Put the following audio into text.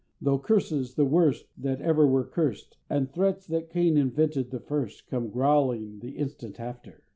Though curses, the worst That ever were curst, And threats that Cain invented the first, Come growling the instant after!